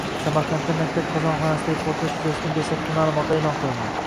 Samarqandda maktab qozonxonasidagi portlash yuzasidan dastlabki ma’lumotlar e’lon qilindi